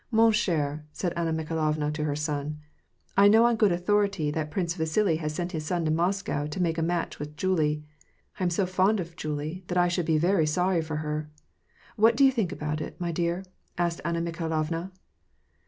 " Mon cher" said Anna Mikhailovna to her son, " I know on good authority that Prince Vasili has sent his son to Moscow to make a match with Julie.* I am so fond of Julie that I should be very sorry for her. What do you think about it, my dear ?" asked Anna Mikhailovna.